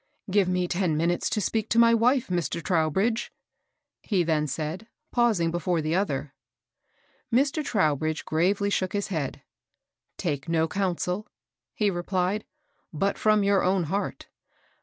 " Give me ten minutes to speak to my LAW AND JUSTICE. 419 wife, Mr. Trowbridge!" he then said, pausing before the other. Mr. Trowbridge gravely shook his head. " Take no counsel," he repKed, *' but from your own heart.